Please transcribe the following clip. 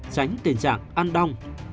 tránh tình trạng ăn đong